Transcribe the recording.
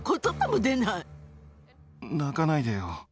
泣かないでよ。